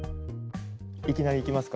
いきなりいきますか？